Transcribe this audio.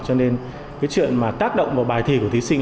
cho nên chuyện tác động vào bài thi của thí sinh